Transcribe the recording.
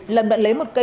lâm đã lấy một cây